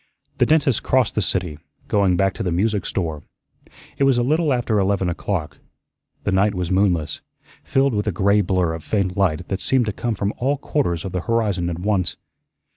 The dentist crossed the city, going back to the music store. It was a little after eleven o'clock. The night was moonless, filled with a gray blur of faint light that seemed to come from all quarters of the horizon at once.